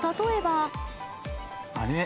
あれ？